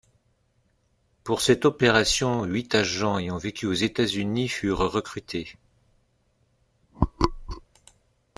Pour cette opération, huit agents ayant vécu aux États-Unis furent recrutés.